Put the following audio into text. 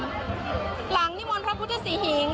ประเพณนี้ดั้งเดิมหลังนิมวลพระพุทธศรีหิง